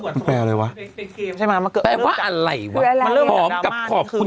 มันแปลอะไรวะแปลว่าอะไรวะหอมกับขอบคุณครับ